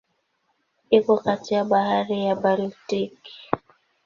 Iko kati ya Bahari ya Baltiki.